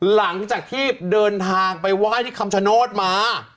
หลังจากที่เดินทางไปไหว้ที่คำชโนธมา